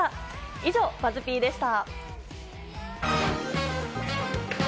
以上、ＢＵＺＺ−Ｐでした。